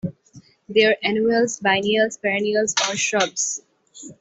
They are annuals, biennials, perennials, or shrubs.